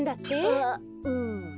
あっうん。